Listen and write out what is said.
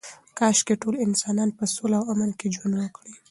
کاشکې ټول انسانان په سوله او امن کې ژوند وکړي.